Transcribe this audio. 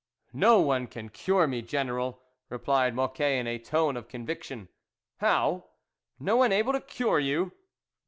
" No one can cure me, General," re plied Mocquet in a tone of conviction. " How ! No one able to cure you